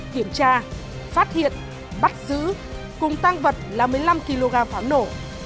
kiểm tra phát hiện bắt giữ cùng tăng vật là một mươi năm kg pháo nổ